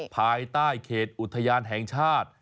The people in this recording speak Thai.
ภายใต้เขตอุทยานแห่งชาติ